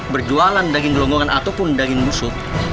berjualan daging gelonggongan ataupun daging busuk